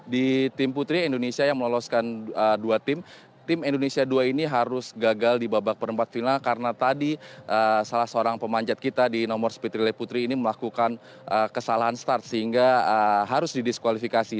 di tim putri indonesia yang meloloskan dua tim tim indonesia dua ini harus gagal di babak perempat final karena tadi salah seorang pemanjat kita di nomor speed relay putri ini melakukan kesalahan start sehingga harus didiskualifikasi